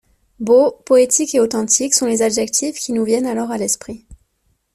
Beau, poétique et authentique sont les adjectifs qui nous viennent alors à l’esprit.